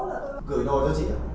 gửi đồ cho chị